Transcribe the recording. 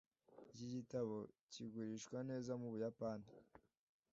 Iki gitabo kigurishwa neza mubuyapani.